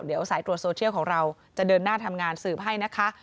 เดี๋ยวสายตรวจโซเชียลของเราจะเดินหน้าทำงานสืบให้นะคะ